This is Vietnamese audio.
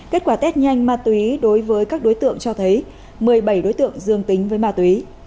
kết quả test nhanh ma túy đối với các đối tượng cho thấy một mươi bảy đối tượng dương tính với ma túy